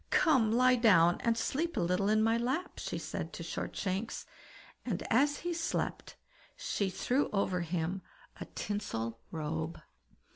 "Come, lie down, and sleep a little in my lap", she said to Shortshanks, and as he slept she threw over him a tinsel robe.